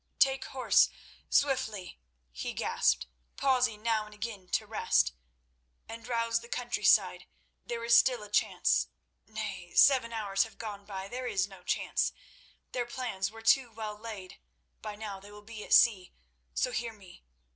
"Take horse swiftly," he gasped, pausing now and again to rest, "and rouse the countryside. There is still a chance. Nay, seven hours have gone by; there is no chance. Their plans were too well laid; by now they will be at sea. So hear me.